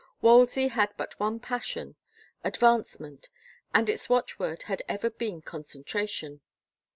Wolsey had but one passion, advancement, and its watch word had ever been concentration.